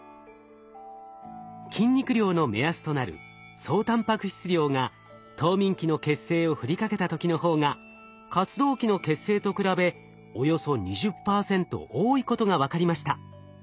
筋肉量の目安となる総タンパク質量が冬眠期の血清を振りかけた時の方が活動期の血清と比べおよそ２０％多いことが分かりました。